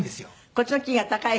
こっちのキーが高い？